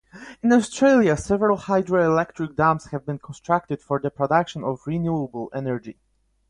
In Austria several hydroelectric dams have been constructed for the production of renewable energy.